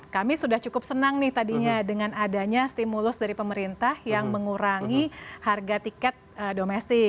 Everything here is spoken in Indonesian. kami sudah cukup senang nih tadinya dengan adanya stimulus dari pemerintah yang mengurangi harga tiket domestik